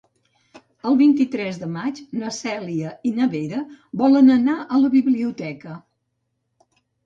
El vint-i-tres de maig na Cèlia i na Vera volen anar a la biblioteca.